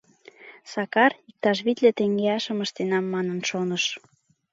Сакар, иктаж витле теҥгеашым ыштенам манын шоныш.